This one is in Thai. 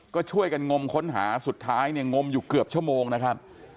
ก็ช่วยกันงมค้นหาสุดท้ายเนี่ยงมอยู่เกือบชั่วโมงนะครับ